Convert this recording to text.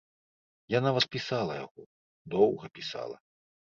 Я нават пісала яго, доўга пісала.